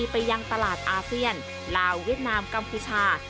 ไปยังตลาดอาเซียนลาวเวียดนามกัมพูชา